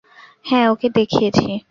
হ্যাঁ, ওকে দেখিয়েছি।